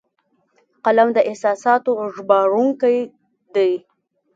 قلم د احساساتو ژباړونکی دی